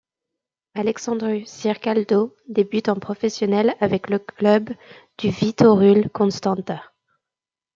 Alexandru Cicâldău débute en professionnel avec le club du Viitorul Constanța.